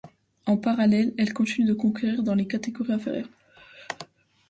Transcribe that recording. En parallèle elle continue de concourir dans les catégories inférieures.